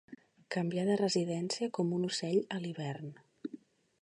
Canviar de residència com un ocell a l'hivern.